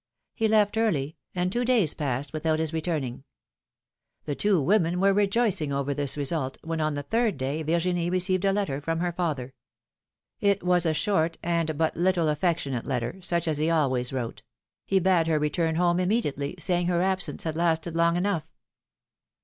He left early, and two days passed without his returning. The two women were rejoicing over this result, when on the third day Virginie received a letter from her father. It was a short, and but little aifectionate letter, such as he always wrote; he bade her return home immediately, saying her absence had lasted long enough.